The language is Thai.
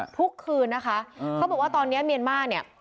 ทุกคืนนะคะเขาบอกว่าตอนนี้เมียนมาร์เนี่ย